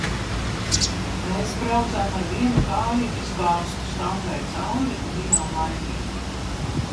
Mēs braucām ar vienu kāju izbāztu stangai cauri un bijām laimīgi.